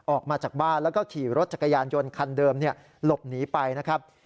ออกมาจากบ้านแล้วก็ขี่รถจักรยานยนต์คันเดิมหลบหนีไปนะครับ